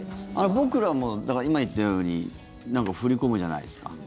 僕らもだから今、言ったように何か振り込むじゃないですか。